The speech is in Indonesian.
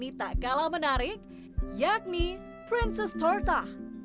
ini tak kalah menarik yakni princess torta